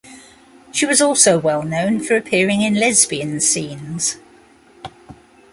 She was also well known for appearing in lesbian scenes.